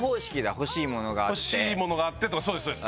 欲しい物があってとかそうですそうです。